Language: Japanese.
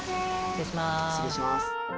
失礼します。